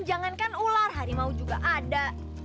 jangankan ular harimau juga ada